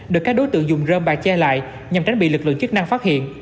được các đối tượng dùng rơm bà che lại nhằm tránh bị lực lượng chức năng phát hiện